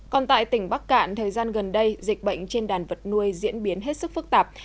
còn tại tỉnh bắc cạn thời gian gần đây dịch bệnh trên đàn vật nuôi diễn biến hết sức phức tạp